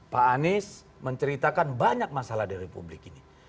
pak anies menceritakan banyak masalah di republik ini